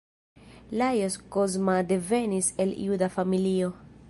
Lajos Kozma devenis el juda familio.